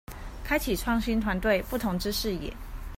開啟新創團隊不同之視野